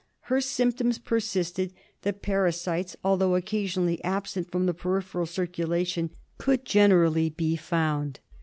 Her symptoms persisted; the parasites, although occasionally absent from the peripheral circulation, could generally be found.